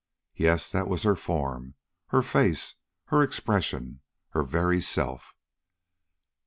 Yes, that was her form, her face, her expression, her very self.